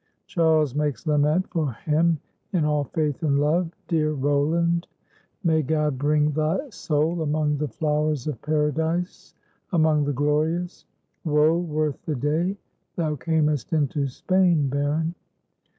Charles makes lament for him in all faith and love: "Dear Roland, may God bring thy soul among the flowers of Paradise, among the glorious. Woe worth the day thou camest into Spain, Baron!